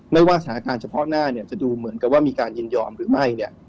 ไม่ว่าสถานการณ์เฉพาะหน้าเนี่ยจะดูเหมือนกับว่ามีการยินยอมหรือไม่เนี่ย